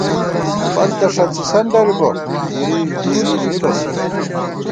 پَل تہ ݭڅِسن درِبہ ، گِری گری مِبہ سے